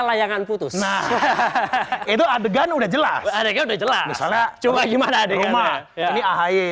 layangan putus itu adegan udah jelas ada juga udah jelas coba gimana adegan rumah ini akhir